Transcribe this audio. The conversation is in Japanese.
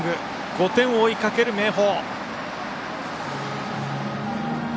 ５点を追いかける明豊。